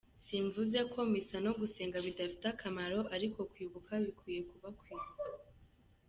Simvuze ko misa no gusenga bidafite akamaro, ariko kwibuka bikwiye kuba kwibuka.